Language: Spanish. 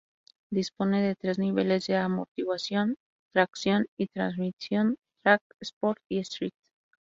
Dispone de tres niveles de amortiguación, tracción y transmisión: "Track", "Sport" y "Street".